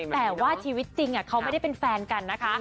แต่ว่าชีวิตจริงเขาไม่ได้เป็นแฟนกันนะคะ